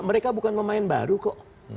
mereka bukan pemain baru kok